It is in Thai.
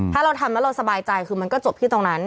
ถ้าเราทำแล้วเราสบายใจคือมันก็จบที่ตรงนั้น